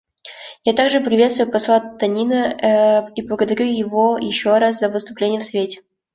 Я также приветствую посла Танина и благодарю его еще раз за выступление в Совете.